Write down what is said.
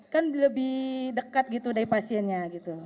kan lebih dekat gitu dari pasiennya gitu